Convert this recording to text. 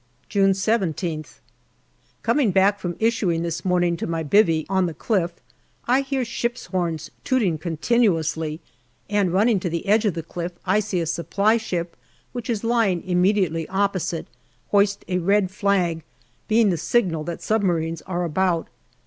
June 17th. Coming back from issuing this morning to my " bivvy " on the cliff, I hear ship's horns tooting continuously, and running to the edge of the cliff I see a supply ship, which is lying immediately opposite, hoist a red flag, being the signal that submarines are about.